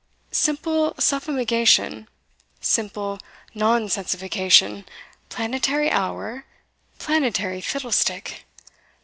"Simple suffumigation? simple nonsensification planetary hour? planetary fiddlestick!